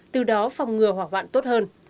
từ đó phòng ngừa hoảng hoạn tốt hơn